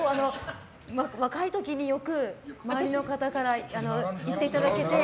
若い時によく周りの方から言っていただけて。